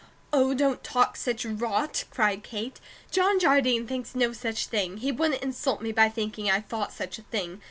"Oh, don't talk such rot!" cried Kate. "John Jardine thinks no such thing. He wouldn't insult me by thinking I thought such a thing.